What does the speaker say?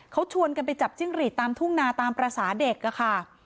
เขาชวนกันไปจับจิ้งหรีดตามทุ่งนาตามภาษาเด็กค่ะ